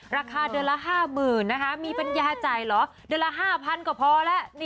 ราคาเดือนละห้าหมื่นนะคะมีปัญญาจ่ายเหรอเดือนละห้าพันก็พอแล้ว